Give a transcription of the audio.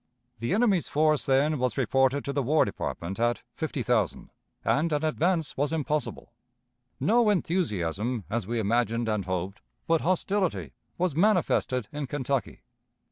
The enemy's force then was reported to the War Department at fifty thousand, and an advance was impossible. No enthusiasm, as we imagined and hoped, but hostility, was manifested in Kentucky.